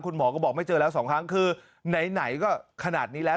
คุณหมอก็บอกไม่เจอแล้วสองครั้งคือไหนก็ขนาดนี้แล้ว